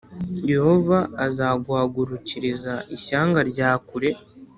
“Yehova azaguhagurukiriza ishyanga rya kure,